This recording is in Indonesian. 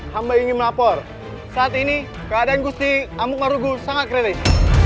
hamba ingin melapor saat ini keadaan gusti amu marugul sangat kering